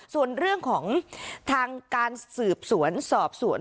ส่วนเรื่องของทางการสืบสวนสอบสวน